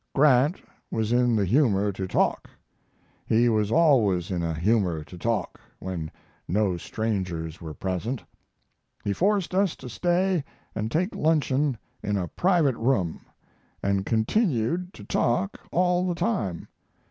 Grant was in the humor to talk he was always in a humor to talk when no strangers were present he forced us to stay and take luncheon in a private room, and continued to talk all the time.